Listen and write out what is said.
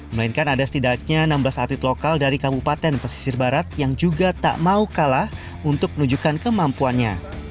melainkan ada setidaknya enam belas atlet lokal dari kabupaten pesisir barat yang juga tak mau kalah untuk menunjukkan kemampuannya